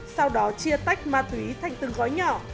sau đó chia tách ma túy thành từng gói nhỏ